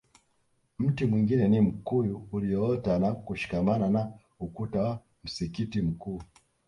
Mti mwingine ni mkuyu ulioota na kushikamana na ukuta wa msikiti mkuu